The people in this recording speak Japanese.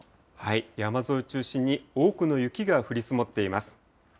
山沿いを中心に多くの雪が降り積もっています。